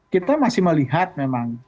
kita masih melihat memang